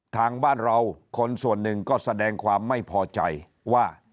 ทางบ้านเราคนส่วนหนึ่งก็แสดงความไม่พอใจว่า